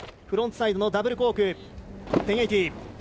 フロントサイドのダブルコーク１０８０。